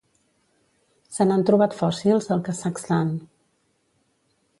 Se n'han trobat fòssils al Kazakhstan.